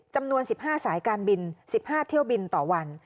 จำนวน๑๕สายการบิน๑๕เที่ยวบินต่อวัน